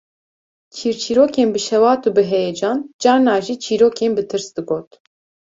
Çîrçîrokên bi şewat û bi heyecan, carna jî çîrokên bi tirs digot